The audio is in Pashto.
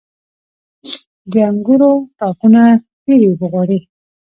• د انګورو تاکونه ډيرې اوبه غواړي.